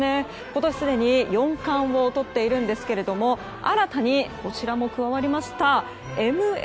今年すでに４冠をとっているんですけれども新たにこちらも加わりました。